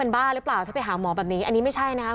บ้าหรือเปล่าถ้าไปหาหมอแบบนี้อันนี้ไม่ใช่นะครับ